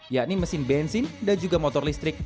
yakni mesin bensin dan juga motor listrik